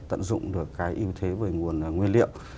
tận dụng được cái ưu thế về nguồn nguyên liệu